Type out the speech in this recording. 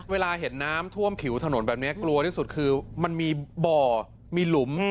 เวลาเห็นน้ำท่วมผิวถนนแบบนี้กลัวที่สุดคือมันมีบ่อมีหลุม